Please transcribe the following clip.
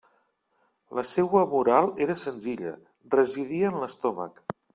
La seua moral era senzilla: residia en l'estómac.